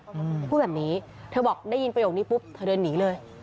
อืมพูดแบบนี้เธอบอกได้ยินประโยคนี้ปุ๊บเธอเดินหนีเลย